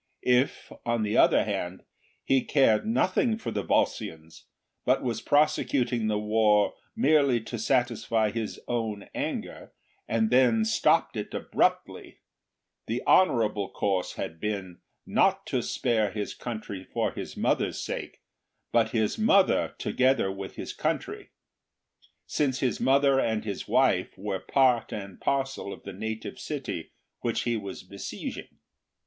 If, on the other hand, he cared nothing for the Volscians, but was prosecuting the war merely to satisfy his own anger, and then stopped it abruptly, the honourable course had been, not to spare his country for his mother's sake, but his mother together with his country; since his mother and his wife were part and parcel of the native city which he was be sieging.